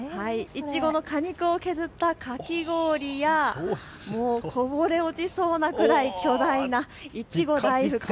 いちごの果肉を削ったかき氷や、こぼれ落ちそうなくらい巨大ないちご大福。